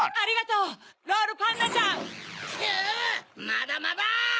まだまだ！